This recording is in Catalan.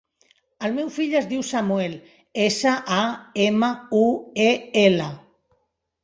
El meu fill es diu Samuel: essa, a, ema, u, e, ela.